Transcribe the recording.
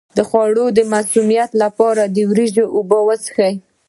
د خوړو د مسمومیت لپاره د وریجو اوبه وڅښئ